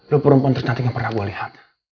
lo perempuan tercantik yang pernah gue lihat